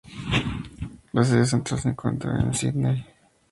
La sede central se encuentra en Sidney.